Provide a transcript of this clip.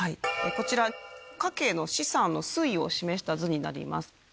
こちら、家計の資産の推移を示した図になります。